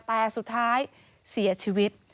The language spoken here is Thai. แต่สุดท้ายเสียชีวิต